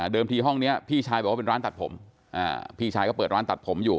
ที่ห้องนี้พี่ชายบอกว่าเป็นร้านตัดผมพี่ชายก็เปิดร้านตัดผมอยู่